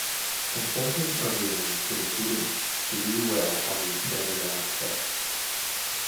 Incentives are given to the students to do well on these standardized tests.